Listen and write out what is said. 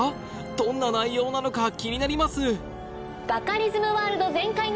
どんな内容なのか気になりますえ？